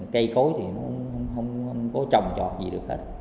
cây cối thì nó không có trồng trọt gì được hết